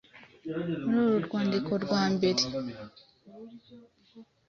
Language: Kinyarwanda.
Muri uru rwandiko rwa mbere,